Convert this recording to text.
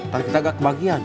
nanti kita nggak kebagian